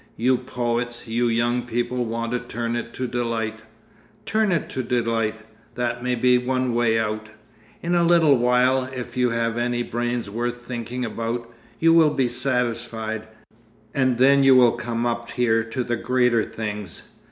You poets, you young people want to turn it to delight. Turn it to delight. That may be one way out. In a little while, if you have any brains worth thinking about, you will be satisfied, and then you will come up here to the greater things.